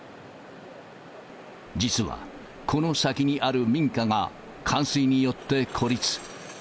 実はこの先にある民家が冠水によって孤立。